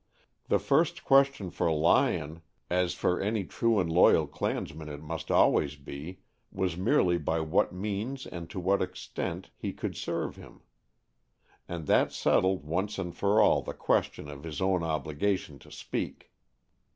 The first question for Lyon, as for any true and loyal clansman it must always be, was merely by what means and to what extent he could serve him. And that settled once and for all the question of his own obligation to speak.